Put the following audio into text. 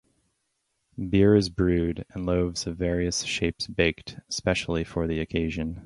Beer is brewed and loaves of various shapes baked specially for the occasion.